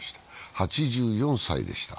８４歳でした。